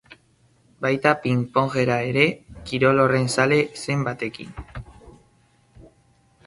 Baita ping-pongera ere, kirol horren zale zen batekin.